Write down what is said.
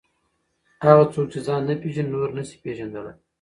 هغه څوک چې ځان نه پېژني نور نسي پېژندلی.